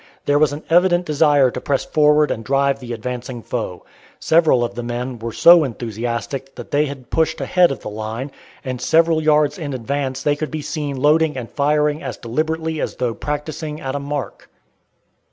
There was an evident desire to press forward and drive the advancing foe. Several of the men were so enthusiastic that they had pushed ahead of the line, and several yards in advance they could be seen loading and firing as deliberately as though practicing at a mark.